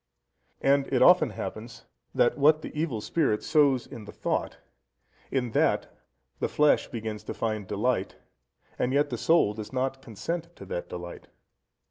And it often happens that what the evil spirit sows in the thought, in that the flesh begins to find delight, and yet the soul does not consent to that delight.